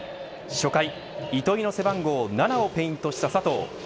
初回、糸井の背番号７をペイントした佐藤。